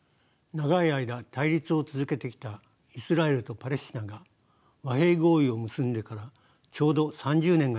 長い間対立を続けてきたイスラエルとパレスチナが和平合意を結んでからちょうど３０年がたちました。